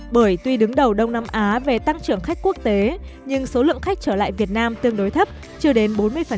bởi tuy đứng đầu đông nam á về tăng trưởng khách quốc tế nhưng số lượng khách trở lại việt nam tương đối thấp chưa đến bốn mươi